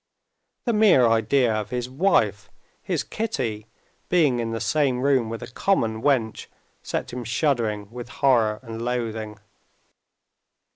The mere idea of his wife, his Kitty, being in the same room with a common wench, set him shuddering with horror and loathing.